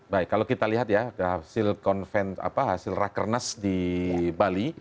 baik kalau kita lihat ya hasil rakernas di bali